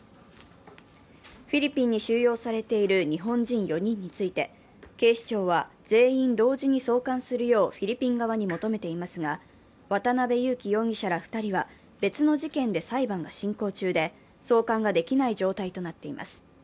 フィリピンに収容されている日本人４人について、警視庁は全員同時に送還するようフィリピン側に求めていますが、渡辺優樹容疑者ら２人は別の事件で裁判が進行中で送還ができない状態となっています。